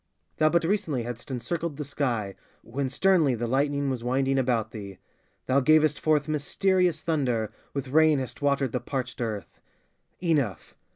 Thou but recently had'st encircled the sky When sternly the lightning was winding about thee; Thou gavest forth mysterious thunder, With rain hast watered the parched earth. Enough!